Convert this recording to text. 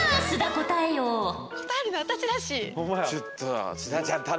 答えるの私だし。